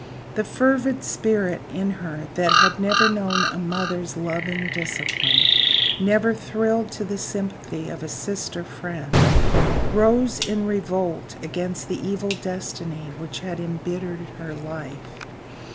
The fervid spirit in her that had never known a mother's loving discipline, never thrilled to the sympathy of a sister friend, rose in revolt against the evil destiny which had imbittered her life.